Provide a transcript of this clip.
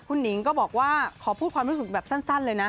คุณหนิงก็บอกว่าขอพูดความรู้สึกแบบสั้นเลยนะ